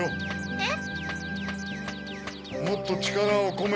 えっ？